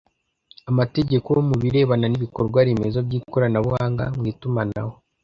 amategeko mu birebana n ibikorwa remezo by ikoranabuhanga mu itumanaho